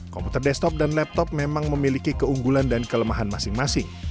komputer desktop dan laptop memang memiliki keunggulan dan kelemahan masing masing